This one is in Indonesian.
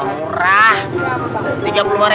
katanya kalanya keeper bang